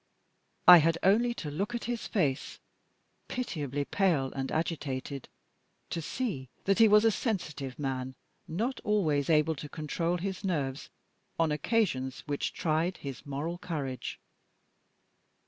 I had only to look at his face pitiably pale and agitated to see that he was a sensitive man, not always able to control his nerves on occasions which tried his moral courage.